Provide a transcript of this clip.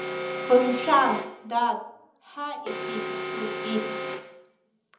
Бымшәан, дад, ҳа иҳәит, лҳәит.